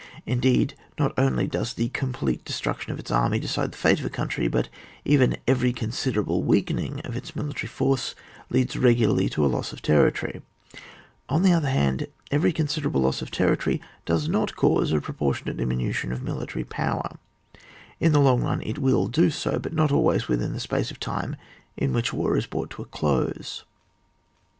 Indeed, not only does the complete destruction of its army decide the fate of a country, but even every considerable loeakening of its military force leads regularly to a loss of territory; on the other hand, every considerable loss of territory does not cause a proportionate diminution of military power; in the long run it will do so, but not always within the space of time in which a war is brought to a close.